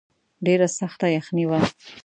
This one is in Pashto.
ډېره سخته یخني وه.